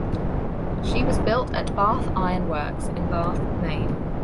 She was built at Bath Iron Works in Bath, Maine.